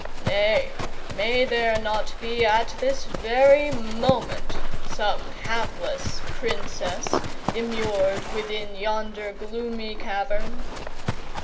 Nay, may there not be, at this very moment, some hapless Princess immured within yonder gloomy cavern?"